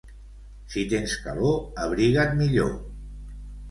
Si tens calor, abriga't millor.